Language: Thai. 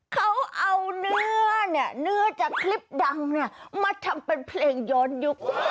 เขาเอาเนื้อเนี่ยเนื้อจากคลิปดังมาทำเป็นเพลงย้อนยุค